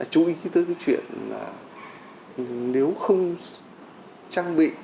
chú ý tới cái chuyện là nếu không trang bị